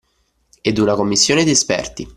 Ed una commissione di esperti